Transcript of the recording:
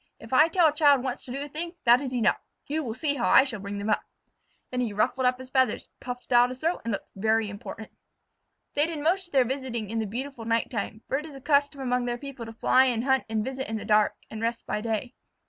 If I tell a child once to do a thing, that is enough. You will see how I bring them up." Then he ruffled up his feathers, puffed out his throat, and looked very important. They did most of their visiting in the beautiful night time, for it is a custom among their people to fly and hunt and visit in the dark, and rest by day.